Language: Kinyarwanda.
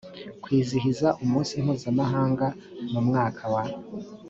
kwizihiza umunsi mpuzamahanga mu mwaka wa